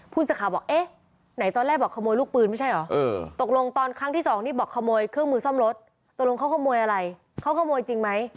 ผู้สื่อข่าวบอกเอ๊ะไหนตอนแรกบอกขโมยลูกปืนไม่ใช่เหรอตกลงตอนครั้งที่สองนี่บอกขโมยเครื่องมือซ่อมรถตกลงเขาขโมยอะไรเขาขโมยจริงไหม